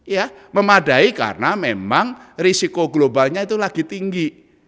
ya memadai karena memang risiko globalnya itu lagi tinggi